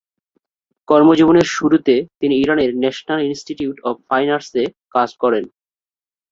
কর্মজীবনের শুরুতে তিনি ইরানের ন্যাশনাল ইন্সটিটিউট অব ফাইন আর্টসে কাজ করেন।